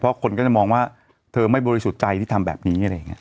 เพราะคนก็จะมองว่าเธอไม่บริสุทธิ์ใจที่ทำแบบนี้